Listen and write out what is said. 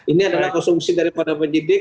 ini adalah konsumsi daripada penyidik